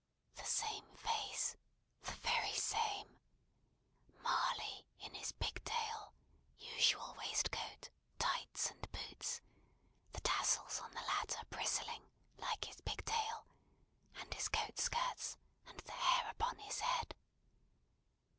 The same face: the very same. Marley in his pigtail, usual waistcoat, tights and boots; the tassels on the latter bristling, like his pigtail, and his coat skirts, and the hair upon his head.